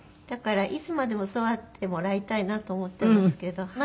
だからいつまでもそうあってもらいたいなと思ってますけど。